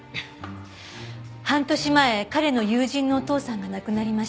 半年前彼の友人のお父さんが亡くなりました。